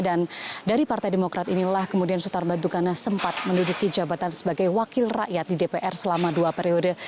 dan dari partai demokrat inilah kemudian sultan batu gana sempat menduduki jabatan sebagai wakil rakyat di dpr selama dua periode